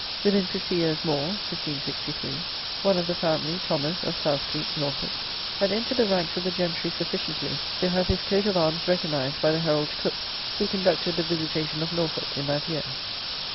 Within fifty years more (1563), one of the family, Thomas, of Southcreeke, co. Norfolk, had entered the ranks of the gentry sufficiently to have his coat of arms recognized by the Herald Cooke, who conducted the Visitation of Norfolk in that year.